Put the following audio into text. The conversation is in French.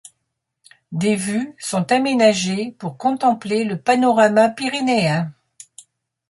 Des vues sont aménagées pour contempler le panorama pyrénéen.